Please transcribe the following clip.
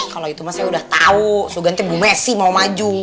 kalau itu mah saya udah tau soalnya nanti bu messi mau maju